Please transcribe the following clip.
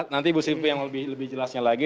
nanti ibu sylvi yang mau lebih jelasnya lagi